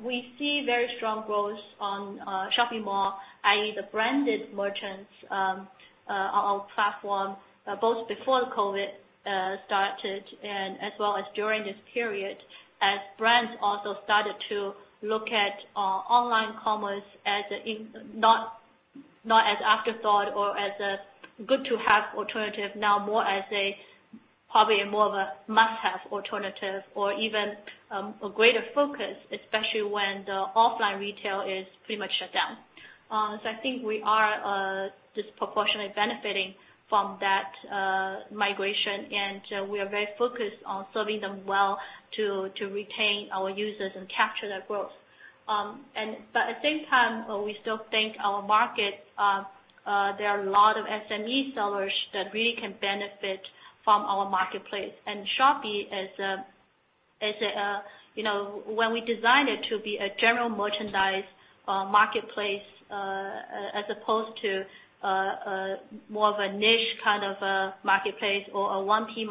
We see very strong growth on Shopee Mall, i.e., the branded merchants on our platform, both before COVID started and as well as during this period, as brands also started to look at online commerce not as afterthought or as a good-to-have alternative, now more as a probably more of a must-have alternative or even a greater focus, especially when the offline retail is pretty much shut down. I think we are disproportionately benefiting from that migration, and we are very focused on serving them well to retain our users and capture their growth. At the same time, we still think our market, there are a lot of SME sellers that really can benefit from our marketplace. Shopee, when we designed it to be a general merchandise marketplace, as opposed to more of a niche kind of a marketplace or a 1P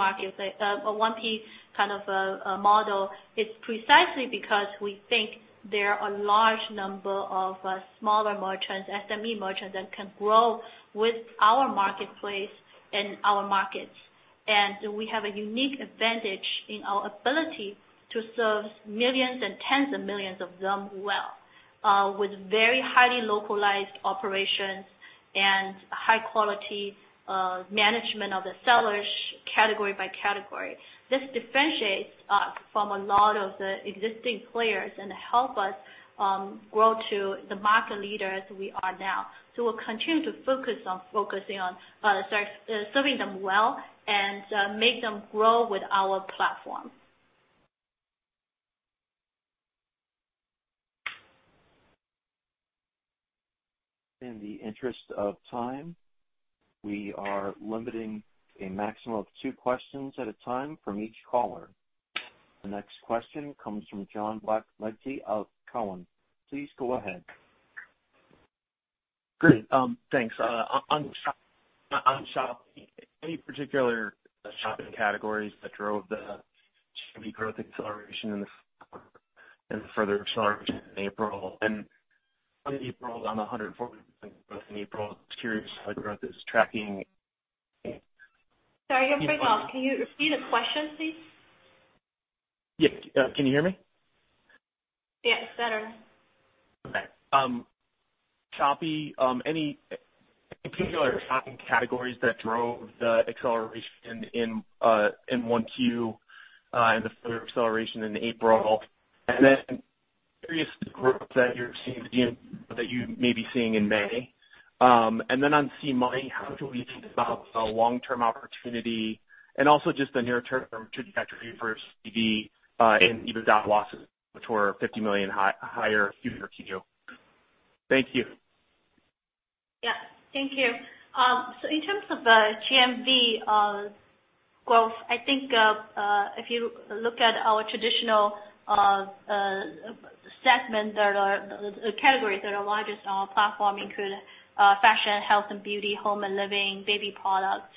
kind of a model, it's precisely because we think there are a large number of smaller merchants, SME merchants, that can grow with our marketplace and our markets. We have a unique advantage in our ability to serve millions and tens of millions of them well with very highly localized operations and high-quality management of the sellers category by category. This differentiates us from a lot of the existing players and help us grow to the market leader as we are now. We'll continue to focus on serving them well and make them grow with our platform. In the interest of time, we are limiting a maximum of two questions at a time from each caller. The next question comes from John Blackledge of Cowen. Please go ahead. Great. Thanks. On Shopee, any particular shopping categories that drove the GMV growth acceleration and further acceleration in April? On the 140% growth in April, just curious how the growth is tracking? Sorry, I'm afraid to ask. Can you repeat the question, please? Yeah. Can you hear me? Yes, better. Okay. Shopee, any particular shopping categories that drove the acceleration in 1Q, and the further acceleration in April? Curious the growth that you may be seeing in May. On SeaMoney, how do we think about the long-term opportunity, and also just the near term from and EBITDA losses, which were $50 million higher quarter-over-quarter? Thank you. Thank you. In terms of the GMV growth, I think if you look at our traditional segments, categories that are largest on our platform include fashion, health and beauty, home and living, baby products.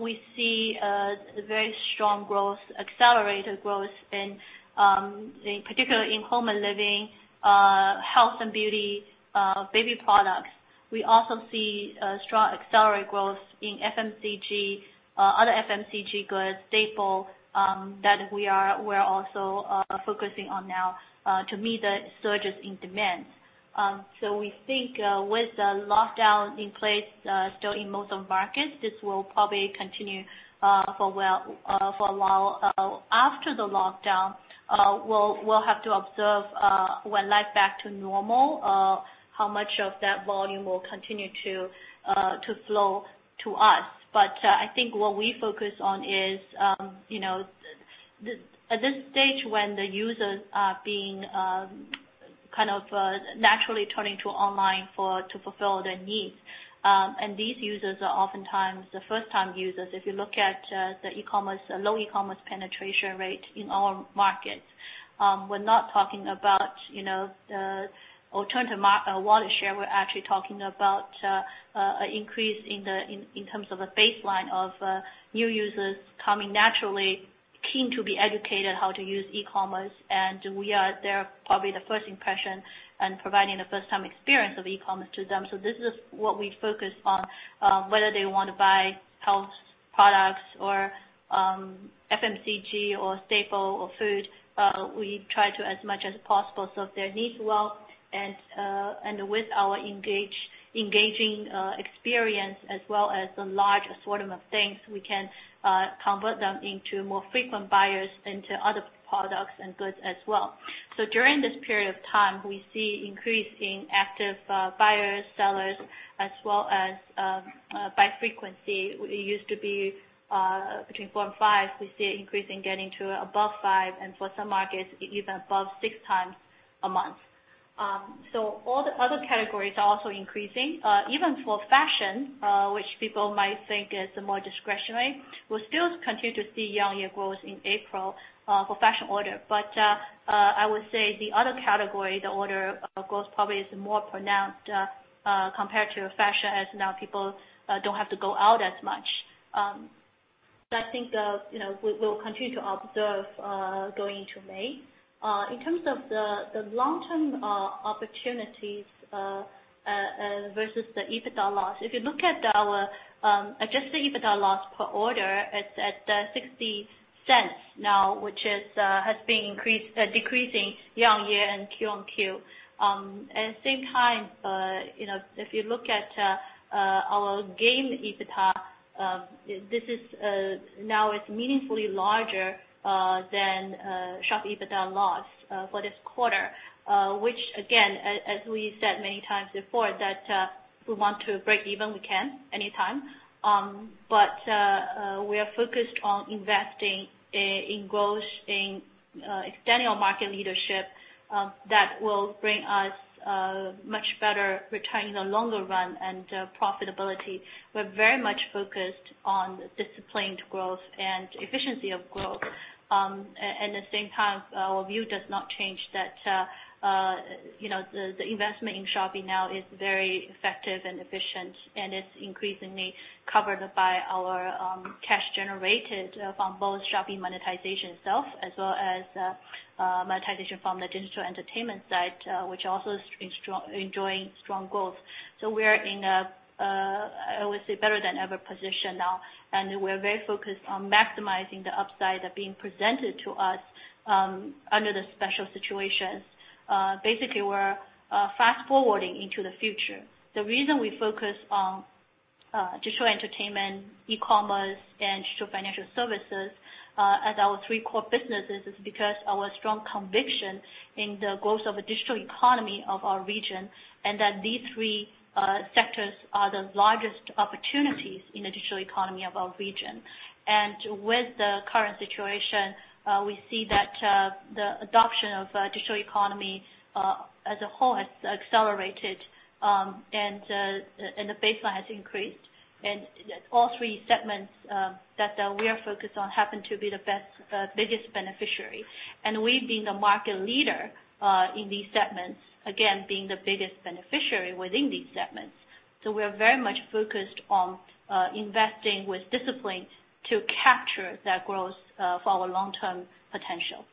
We see a very strong growth, accelerated growth in, particularly in home and living, health and beauty, baby products. We also see accelerated growth in other FMCG goods staple, that we're also focusing on now to meet the surges in demand. We think with the lockdown in place still in most of markets, this will probably continue for a while after the lockdown. We'll have to observe when life back to normal how much of that volume will continue to flow to us. I think what we focus on is, at this stage when the users are being kind of naturally turning to online to fulfill their needs. These users are oftentimes the first time users. If you look at the low e-commerce penetration rate in our markets, we're not talking about alternative market or wallet share. We're actually talking about increase in terms of a baseline of new users coming naturally keen to be educated how to use e-commerce. We are their, probably, the first impression and providing a first-time experience of e-commerce to them. This is what we focus on. Whether they want to buy health products or FMCG or staple or food, we try to as much as possible serve their needs well. With our engaging experience as well as the large assortment of things, we can convert them into more frequent buyers into other products and goods as well. During this period of time, we see increase in active buyers, sellers, as well as by frequency. It used to be between four and five. We see an increase in getting to above five, and for some markets, even above six times a month. All the other categories are also increasing. Even for fashion, which people might think is more discretionary. We still continue to see year-on-year growth in April for fashion order. I would say the other category, the order of growth probably is more pronounced compared to fashion, as now people don't have to go out as much. I think we'll continue to observe going into May. In terms of the long-term opportunities versus the EBITDA loss, if you look at our adjusted EBITDA loss per order, it's at $0.60 now, which has been decreasing year-on-year and Q-on-Q. At the same time, if you look at our Garena EBITDA, now it's meaningfully larger than Shopee EBITDA loss for this quarter, which again, as we said many times before, that if we want to break even, we can anytime. We are focused on investing in extending our market leadership that will bring us much better returns in the longer run and profitability. We're very much focused on disciplined growth and efficiency of growth. At the same time, our view does not change that the investment in Shopee now is very effective and efficient, and it's increasingly covered by our cash generated from both Shopee monetization itself as well as monetization from the digital entertainment side, which also is enjoying strong growth. We are in a, I would say, better-than-ever position now, and we're very focused on maximizing the upside that being presented to us under the special situations. Basically, we're fast-forwarding into the future. The reason we focus on digital entertainment, e-commerce, and digital financial services as our three core businesses is because our strong conviction in the growth of the digital economy of our region, and that these three sectors are the largest opportunities in the digital economy of our region. With the current situation, we see that the adoption of digital economy as a whole has accelerated, and the baseline has increased. All three segments that we are focused on happen to be the biggest beneficiary. We, being a market leader in these segments, again, being the biggest beneficiary within these segments. We are very much focused on investing with discipline to capture that growth for our long-term potential.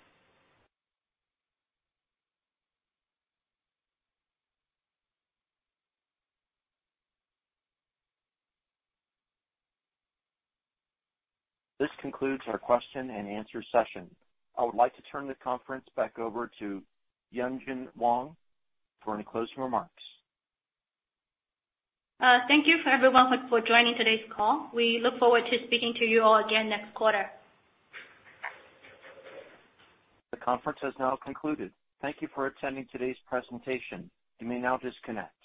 This concludes our question-and-answer session. I would like to turn the conference back over to Yanjun Wang for any closing remarks. Thank you for everyone for joining today's call. We look forward to speaking to you all again next quarter. The conference has now concluded. Thank You for attending today's presentation. You may now disconnect.